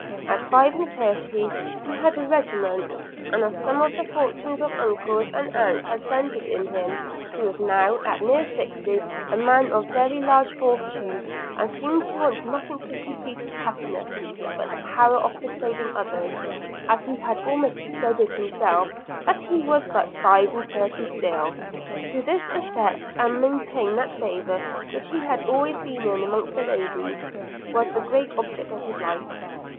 At five and thirty he had a regiment; and as some of the fortunes of uncles and aunts had centred in him, he was now, at near sixty, a man of very large fortune, and seemed to want nothing to complete his happiness, but the power of persuading others, as he had almost persuaded himself, that he was but five and thirty still. To effect this, and maintain that favour which he had always been in among the ladies, was the great object of his life.